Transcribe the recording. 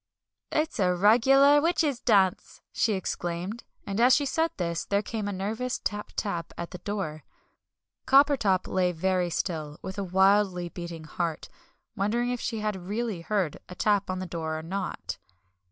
"It's a regular witches' dance!" she exclaimed. And as she said this, there came a nervous tap tap at the door. Coppertop lay very still, with a wildly beating heart, wondering if she had really heard a tap on the door or not.